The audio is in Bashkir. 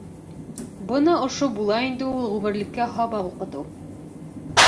Бына ошо була инде ул ғүмерлеккә һабаҡ уҡытыу.